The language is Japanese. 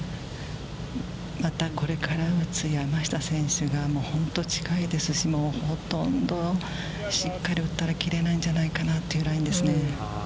また、これから打つ山下選手が、本当近いですし、しっかり打ったら切れないんじゃないかなというラインですね。